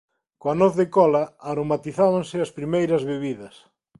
Coa noz de cola aromatizábanse as primeiras bebidas.